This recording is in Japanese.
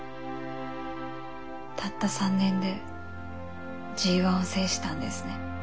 たった３年でＧⅠを制したんですね。